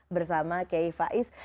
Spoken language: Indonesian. bersama kei faiz